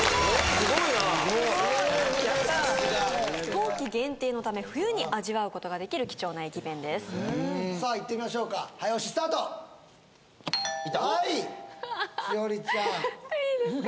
・すごいなやったー冬季限定のため冬に味わうことができる貴重な駅弁ですさあいってみましょうか早押しスタートはい栞里ちゃんいいですか？